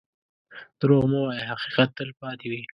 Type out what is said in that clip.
دروغ مه وایه، حقیقت تل پاتې وي.